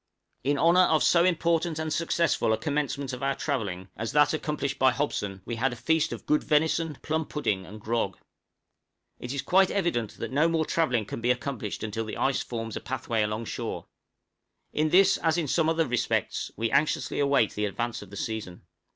In honor of so important and successful a commencement of our travelling, as that accomplished by Hobson, we had a feast of good venison, plum pudding, and grog. It is quite evident that no more travelling can be accomplished until the ice forms a pathway alongshore; in this, as in some other respects, we anxiously await the advance of the season.